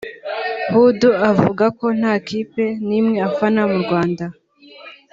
Hudu avuga ko nta kipe n’imwe afana mu Rwanda